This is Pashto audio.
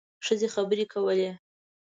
ښځې خبرې کولې.